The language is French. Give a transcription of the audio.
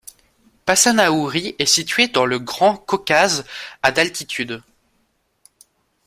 Passanaouri est situé dans le Grand Caucase à d'altitude.